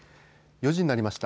４時になりました。